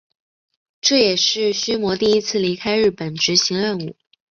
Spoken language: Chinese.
这也是须磨第一次离开日本执行任务。